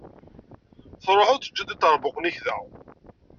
Truḥeḍ teǧǧiḍ-d iṭerbuqen-ik da.